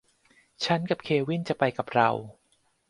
ฉันกับเควินจะไปกับเรา